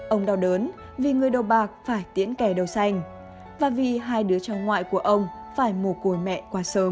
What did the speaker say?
ông đau đớn vì người đầu bạc phải tiễn kè đầu xanh và vì hai đứa cháu ngoại của ông phải mù cùi mẹ quá sớm